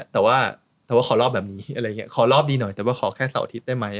แต่ว่าขอรอบแบบนี้ขอรอบดีหน่อยแต่ว่าขอแค่เสาอาทิตย์ได้ไหม